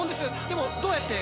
でもどうやって？